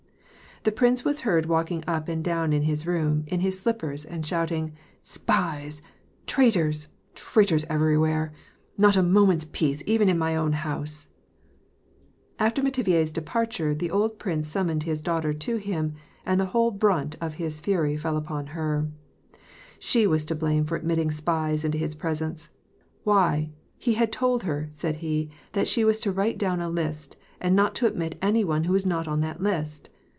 The prince was heard walking up and down in his room, in his slippers, and shouting, " Spies !... Traitors, traitors every where ! Not a minute's peace even in my own house !" After Metivier's departure, the old prince summoned his daughter to him, and the whole brunt of his fury fell upon her. She was to blame for admitting spies into his presence. Why, he had told her, said he, that she was to write down a list, and not to admit any one who was not on the list.